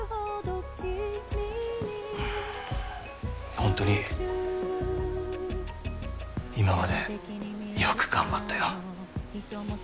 ホントに今までよく頑張ったよ